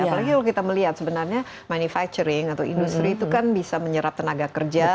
apalagi kalau kita melihat sebenarnya manufacturing atau industri itu kan bisa menyerap tenaga kerja